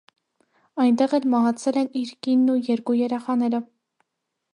Այնտեղ էլ մահացել են իր կինն ու երկու երեխաները։